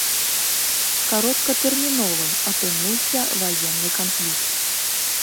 Кароткатэрміновым апынуўся ваенны канфлікт.